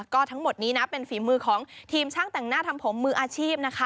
ก็ทั้งหมดนี้นะเป็นฝีมือของทีมช่างแต่งหน้าทำผมมืออาชีพนะคะ